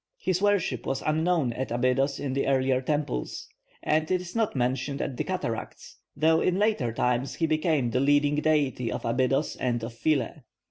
His worship was unknown at Abydos in the earlier temples, and is not mentioned at the cataracts; though in later times he became the leading deity of Abydos and of Philae.